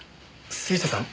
杉下さん